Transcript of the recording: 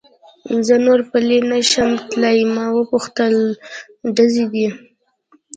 زه نور پلی نه شم تلای، ما و پوښتل: ډزې دي؟